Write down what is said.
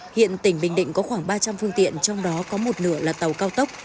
hiện tỉnh bình định có khoảng ba trăm linh phương tiện trong đó có một nửa là tàu cao tốc